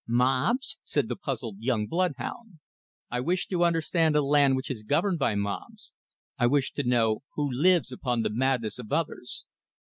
"Mobs?" said the puzzled young blood hound. "I wish to understand a land which is governed by mobs; I wish to know, who lives upon the madness of others."